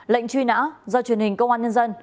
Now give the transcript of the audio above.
lệnh truy nã do truyền hình công an nhân dân